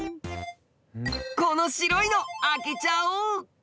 この白いの開けちゃおう！